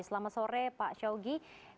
selamat sore pak syawgi